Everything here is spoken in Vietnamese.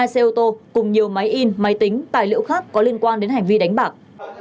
hai xe ô tô cùng nhiều máy in máy tính tài liệu khác có liên quan đến hành vi đánh bạc